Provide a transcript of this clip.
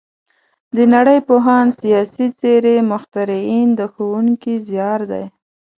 د نړۍ پوهان، سیاسي څېرې، مخترعین د ښوونکي زیار دی.